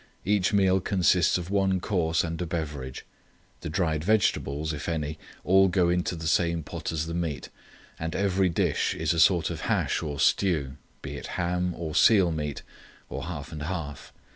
Each meal consists of one course and a beverage. The dried vegetables, if any, all go into the same pot as the meat, and every dish is a sort of hash or stew, be it ham or seal meat or half and half.